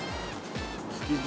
築地